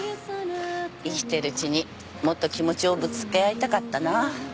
生きてるうちにもっと気持ちをぶつけ合いたかったな。